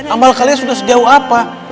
amal kalian sudah sejauh apa